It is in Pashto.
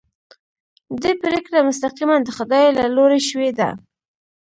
دې پرېکړه مستقیماً د خدای له لوري شوې ده.